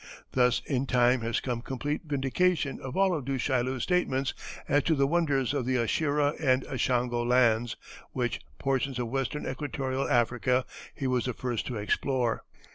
Thus in time has come complete vindication of all of Du Chaillu's statements as to the wonders of the Ashira and Ashango Lands, which portions of Western Equatorial Africa he was the first to explore.